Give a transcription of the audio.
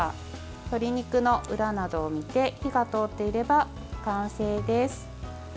鶏肉の裏などを見て火が通っていれば完成です。